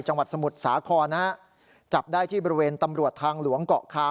สมุทรสาครนะฮะจับได้ที่บริเวณตำรวจทางหลวงเกาะคา